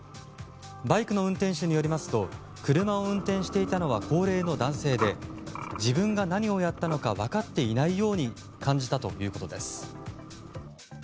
バイクの運転手によりますと車を運転していたのは高齢の男性で自分が何をやったのか分かっていないように感じたということです。